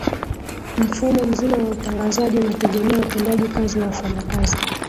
mfumo mzima wa utangazaji unategemea utendaji kazi wa wafanya kazi